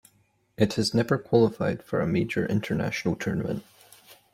It has never qualified for a major international tournament.